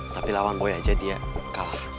tapi lawan boy aja dia kalah